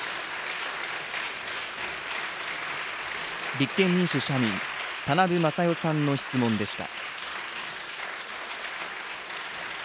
立憲民主・社民、田名部匡代さんの質問でした。